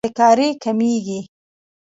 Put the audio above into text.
بېکاري کمېږي.